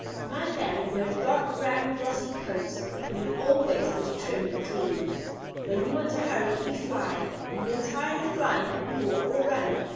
My family wear dark brown, glossy coats, and we always look trim and clean. When we want to hurry, we fly; and when tired of flying, we walk or run.